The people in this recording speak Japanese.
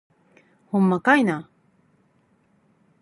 ほんまかいな